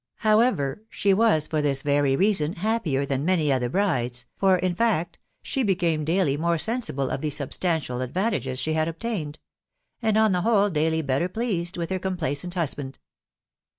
How •ever, she was for this very reason happier than Tuaxrj tfGwet m'deB, for, in fact, she became daily more *en«Mfc 4L ta& 7HB WIDOW .BAfUTABy. 4£ substantial advantages she had obtained; and, an the whole daily better pleased with her complaisant husband.